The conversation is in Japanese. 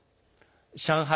上海